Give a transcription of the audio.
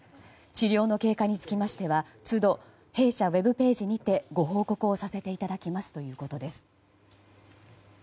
治療の経過につきましては都度、弊社ウェブページにてご報告をさせていただきますということです。